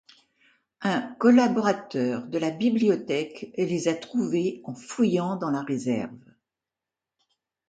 Un collaborateur de la bibliothèque les a trouvées en fouillant dans la réserve.